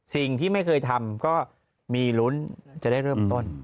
สิ่งที่ไม่เคยทำก็มีลุ้นจะได้เริ่มต้น